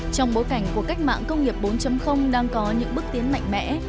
trong bối cảnh của cách mạng công nghiệp bốn đang có những bước tiến mạnh mẽ